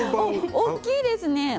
大きいですね。